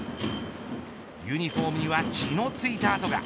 ユニホームには血のついた痕が。